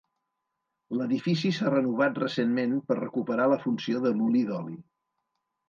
L'edifici s'ha renovat recentment per recuperar la funció de molí d'oli.